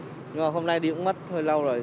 nhưng mà hôm nay đi cũng mất thời lâu rồi